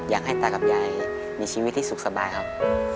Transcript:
อยากให้ตากับยายมีชีวิตที่สุขสบายครับ